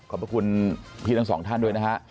พระคุณพี่ทั้งสองท่านด้วยนะฮะ